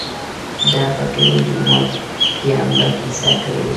ده په کلي جومات کې همدا کیسه کړې وه.